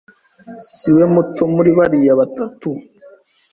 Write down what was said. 'siwe muto muri bariya batatu